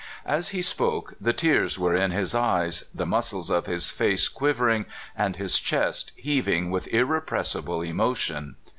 As he spoke, the tears were in his eyes, the muscles of his face quivering, and his chest heaving with irrepressible emotion.